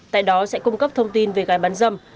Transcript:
tại đó sẽ cung cấp thông tin về gái bán dâm